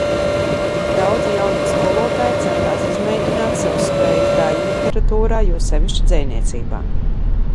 Daudzi jaunie skolotāji centās izmēģināt savas spējas daiļliteratūrā, jo sevišķi dzejniecībā.